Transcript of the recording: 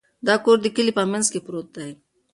دا کور د کلي په منځ کې پروت دی.